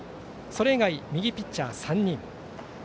それ以外、右ピッチャー３人。